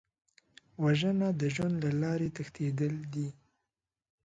وژنه د ژوند له لارې تښتېدل دي